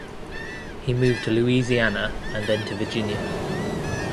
He moved to Louisiana and then to Virginia.